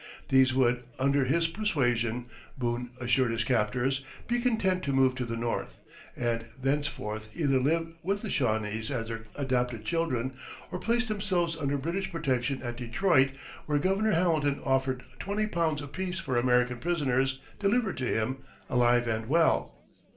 These would, under his persuasion, Boone assured his captors, be content to move to the North, and thenceforth either lived with the Shawnese as their adopted children or place themselves under British protection at Detroit, where Governor Hamilton offered £20 apiece for American prisoners delivered to him alive and well.